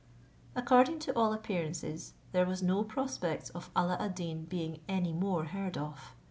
According to all appearances, there was no prospects of Alla ad Deen being any more heard of.